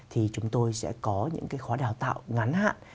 thì chúng tôi sẽ có những cái khóa đào tạo ngắn hạn